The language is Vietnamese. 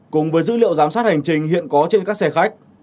cùng với dữ liệu giám sát hành trình hiện có trên các xe khách